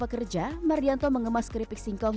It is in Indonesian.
pekerja mardianto mengemas keripik singkong